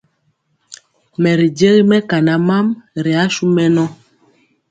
Mɛ ri jegi mɛkana mam ri asu mɛnɔ.